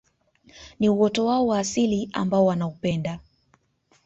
Ni uoto wao wa asili ambao wanaupenda